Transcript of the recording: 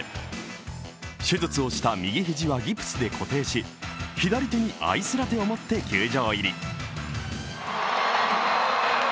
手術をした右肘はギプスで固定し、左手にアイスラテを持って球場入り。